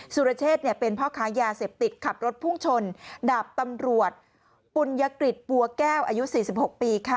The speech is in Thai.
สุรเชษเป็นพ่อค้ายาเสพติดขับรถพุ่งชนดาบตำรวจปุญยกฤษบัวแก้วอายุ๔๖ปีค่ะ